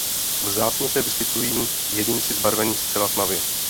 Vzácně se vyskytují jedinci zbarveni zcela tmavě.